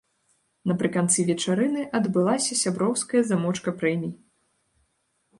Напрыканцы вечарыны адбылася сяброўская замочка прэмій.